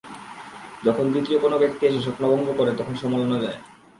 যখন দ্বিতীয় কোন ব্যক্তি এসে স্বপ্নভঙ্গ করে তখন সামলানো যায়।